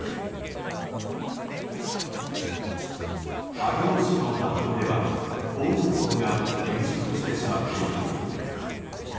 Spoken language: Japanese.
上尾市の畑ではホウレンソウが変色してしまっています。